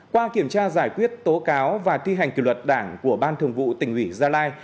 qua kiểm tra giải quyết tố cáo và thi hành kỷ luật đảng của ban thường vụ tỉnh ủy gia lai